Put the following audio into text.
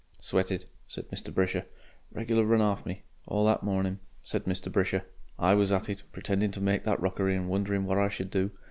"Sweated," said Mr. Brisher. "Regular run orf me. All that morning," said Mr. Brisher, "I was at it, pretending to make that rockery and wondering what I should do.